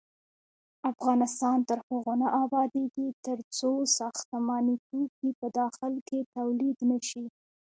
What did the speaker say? افغانستان تر هغو نه ابادیږي، ترڅو ساختماني توکي په داخل کې تولید نشي.